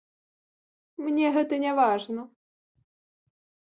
Мне гэта не важна.